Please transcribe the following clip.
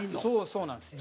そうなんですよ。